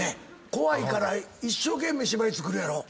怖いから一生懸命芝居作るやろ？